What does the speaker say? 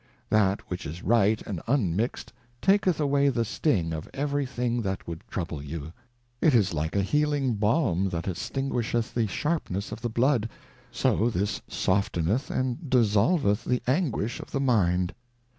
That which is right and unmixt, taketh away the Sting of every thing that would trouble you : It is like a healing Balm, that extinguisheth the sharpness of the Bloud ; so this softeneth and dissolveth the Anguish of the Mind.